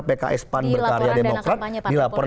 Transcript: pks pan berkarya demokrat di laporan